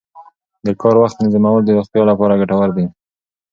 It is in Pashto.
د کار وخت تنظیمول د روغتیا لپاره ګټور دي.